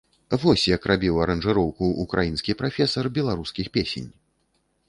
Вось як рабіў аранжыроўку ўкраінскі прафесар беларускіх песень!